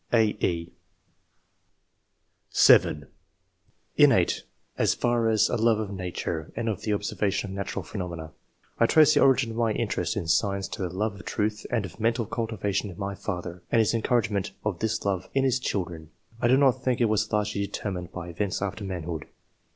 (a, e) (7) " Innate, as far as a love of nature and of the observation of natural phenomena. I trace the origin of my interest in science to the love of truth and of mental cultivation in my father, and his encouragement of this love in his chil dren. I do not think it was largely determined by events after manhood."